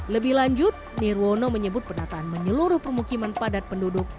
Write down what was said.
lebih lanjut nirwono menyebut penataan menyeluruh permukiman padat penduduk